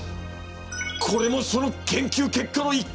これもその研究結果の一環だな。